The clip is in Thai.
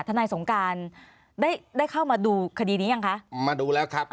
ทนายสงการได้ได้เข้ามาดูคดีนี้ยังคะมาดูแล้วครับ